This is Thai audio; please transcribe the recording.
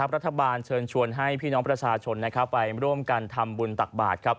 รัฐบาลเชิญชวนให้พี่น้องประชาชนไปร่วมกันทำบุญตักบาทครับ